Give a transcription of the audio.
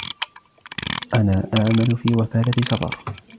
أنا أعمل في وكالة سَفر.